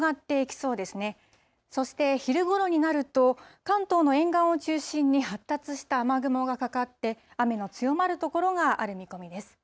そして昼ごろになると、関東の沿岸を中心に発達した雨雲がかかって、雨の強まる所がある見込みです。